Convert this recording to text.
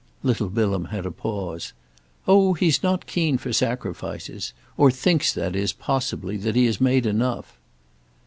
Little Bilham had a pause. "Oh he's not keen for sacrifices; or thinks, that is, possibly, that he has made enough."